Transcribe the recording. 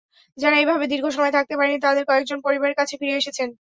যাঁরা এভাবে দীর্ঘ সময় থাকতে পারেননি, তাঁদের কয়েকজন পরিবারের কাছে ফিরে এসেছেন।